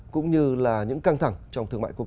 cũng như là những căng thẳng trong thương mại quốc tế